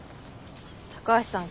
高橋さん